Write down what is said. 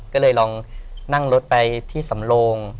ก็เลยลองนั่งรถไปที่สำโลง